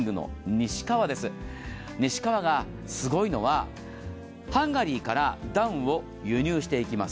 西川がすごいのは、ハンガリーからダウンを輸入していきます。